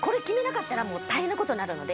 決めなかったら大変なことに。